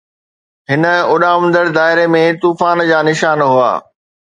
هن اڏامندڙ دائري ۾ طوفان جا نشان هئا.